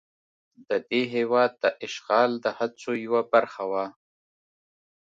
د دې هېواد د اشغال د هڅو یوه برخه وه.